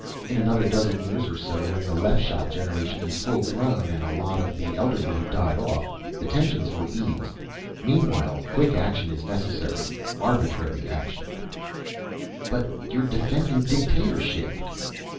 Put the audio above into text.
In another dozen years or so, when the Leff shot generation is fullgrown and a lot of the elderly have died off, the tensions will ease. Meanwhile, quick action is necessary. Arbitrary action." "But you're defending dictatorship!"